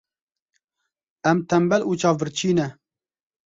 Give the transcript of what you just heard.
Em tembel û çavbirçî ne.